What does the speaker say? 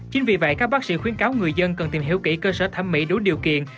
chính vì vậy các bác sĩ khuyến cáo người dân cần tìm hiểu kỹ cơ sở thẩm mỹ đủ điều kiện